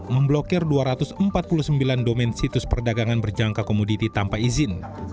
memblokir dua ratus empat puluh sembilan domen situs perdagangan berjangka komoditi tanpa izin